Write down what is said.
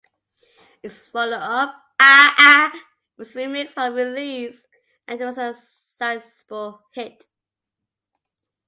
Its follow-up "Ah-Ah" was remixed on release and was a sizeable hit.